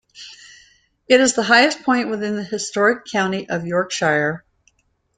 It is the highest point within the historic county of Yorkshire.